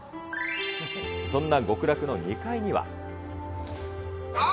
そんな極楽の２階には。